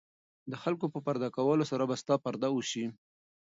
د خلکو په پرده کولو سره به ستا پرده وشي.